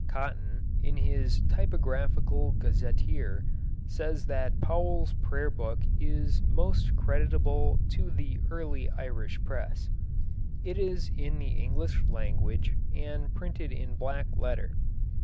Cotton, in his Typographical Gazetteer, says that Powell's Prayer book is most creditable to the early Irish press. It is in the English language, and printed in black letter.